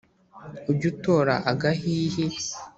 Ujye utora agahihi